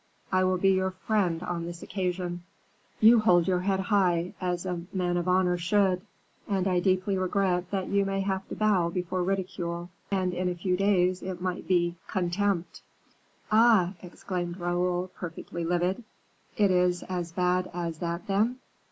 I will be your friend on this occasion. You hold your head high, as a man of honor should; and I deeply regret that you may have to bow before ridicule, and in a few days, it might be, contempt." "Ah!" exclaimed Raoul, perfectly livid. "It is as bad as that, then?"